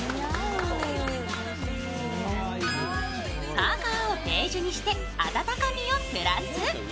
パーカをベージュにして温かみをプラス。